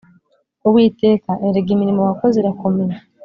Uwiteka erega imirimo wakoze irakomeye